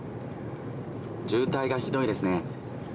渋滞がひどいですね。